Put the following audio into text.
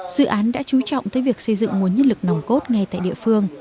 dự án đã chú trọng tới việc xây dựng nguồn nhân lực nòng cốt ngay tại địa phương